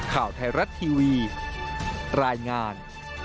ข่าวไทยรัฐทีวีรายงาน